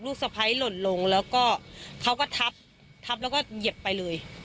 ลูกสะพัยหล่นลงแล้วก็เขาก็ทับแล้วก็หยิบไปเลย